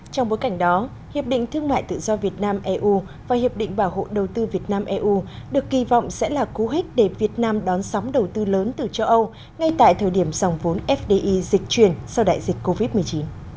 trong bối cảnh đó hiệp định thương mại tự do việt nam eu và hiệp định bảo hộ đầu tư việt nam eu được kỳ vọng sẽ là cú hích để việt nam đón sóng đầu tư lớn từ châu âu ngay tại thời điểm dòng vốn fdi dịch chuyển sau đại dịch covid một mươi chín